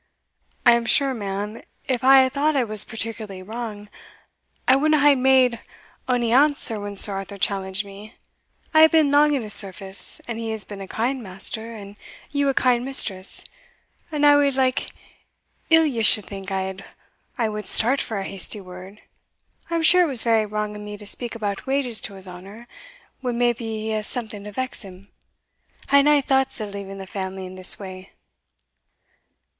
"I am sure, ma'am, if I had thought I was particularly wrang, I wadna hae made ony answer when Sir Arthur challenged me. I hae been lang in his service, and he has been a kind master, and you a kind mistress, and I wad like ill ye should think I wad start for a hasty word. I am sure it was very wrang o' me to speak about wages to his honour, when maybe he has something to vex him. I had nae thoughts o' leaving the family in this way."